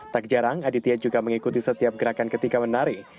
tak jarang aditya juga mengikuti setiap gerakan ketika menari